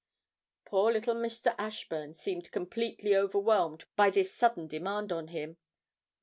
Poor little Mr. Ashburn seemed completely overwhelmed by this sudden demand on him.